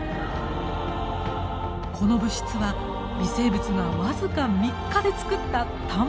この物質は微生物が僅か３日で作ったたんぱく質です。